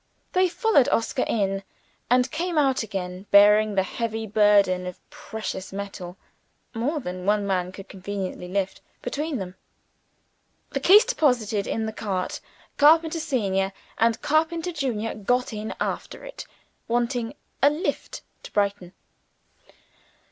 They followed Oscar in, and came out again, bearing the heavy burden of precious metal more than one man could conveniently lift between them. The case deposited in the cart, carpenter senior and carpenter junior got in after it, wanting "a lift" to Brighton.